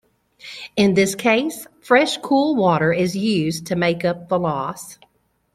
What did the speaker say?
In this case fresh cool water is used to make up the loss.